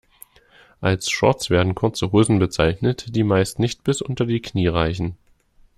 Als Shorts werden kurze Hosen bezeichnet, die meist nicht bis unter die Knie reichen.